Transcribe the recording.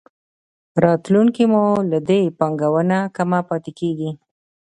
راتلونکې مولدې پانګونه کمه پاتې کېږي.